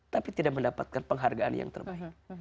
tapi tidak mendapatkan penghargaan yang terbaik